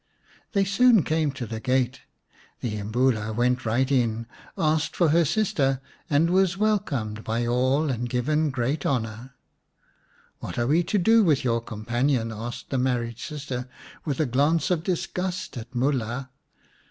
They soon came to the gate ; the Imbula went right in, asked for her sister, and was welcomed by all and given great honour. " What are we to do with your companion ?" asked the married sister, with a glance of disgust at 'Mulha.